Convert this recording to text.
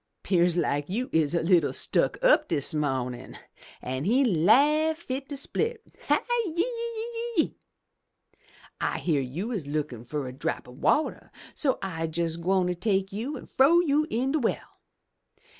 'Pears like you is a little stuck up dis mawnin'!' An' he laugh fit to split, *Hi, yi, yi, yi! I hear you is lookin' fur a drop o' wateh, so I'se jes' gwine take you an' frow you in de well!'